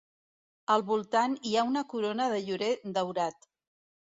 Al voltant hi ha una corona de llorer daurat.